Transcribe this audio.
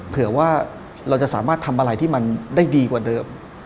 เผื่อว่าเราจะสามารถทำอะไรที่มันได้ดีกว่าเดิม